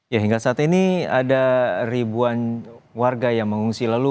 ya hingga saat ini ada ribuan warga yang mengungsi